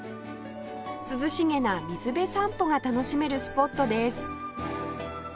涼しげな水辺散歩が楽しめるスポットです